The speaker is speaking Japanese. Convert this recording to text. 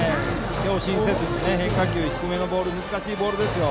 強振せずに変化球低めのボール難しいボールでしたね。